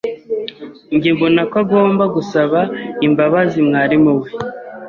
Njye mbona ko agomba gusaba imbabazi mwarimu we.